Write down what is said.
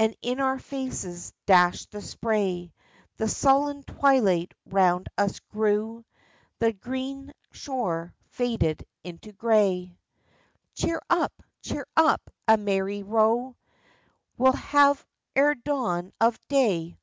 And in our faces dashed the spray ! The sullen twilight round us grew, The green shore faded into gray. 20 THE FISHERMAN'S STORY. ^' Cheer up ! Cheer up ! A merry row We'll have ere dawn of day